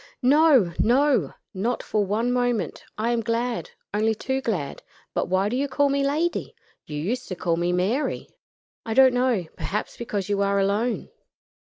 "No! no! not for one moment; I am glad only too glad. But why do you call me 'Lady'? You used to call me 'Mary.'" "I don't know; perhaps because you are alone."